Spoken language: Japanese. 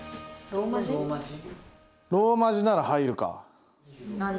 ローマ字なら入るか。